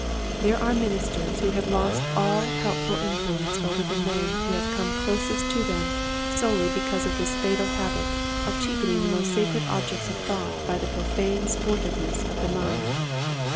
There are ministers who have lost all helpful influence over the men who have come closest to them solely because of this fatal habit of cheapening the most Foolishness, 157 sacred objects of thought by the profane sportiveness of the mind.